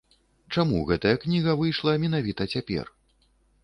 Чаму гэтая кніга выйшла менавіта цяпер?